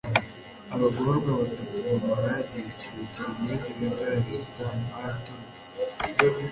abagororwa batatu bamara igihe kirekire muri gereza ya leta baratorotse